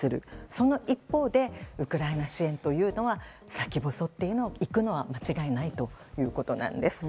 その一方でウクライナ支援というのは先細っていくのは間違いないということなんです。